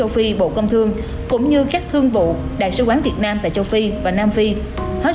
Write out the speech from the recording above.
phi bộ công thương cũng như các thương vụ đại sứ quán việt nam tại châu phi và nam phi hết